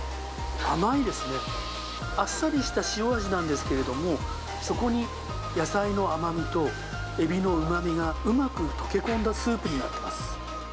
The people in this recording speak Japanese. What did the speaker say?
甘いですね。あっさりした塩味なんですけれども、そこに野菜の甘みとエビのうまみが、うまく溶け込んだスープになってます。